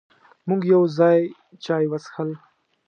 مونږ یو ځای چای وڅښل.